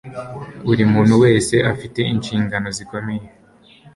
buri muntu wese afite inshingano zikomeye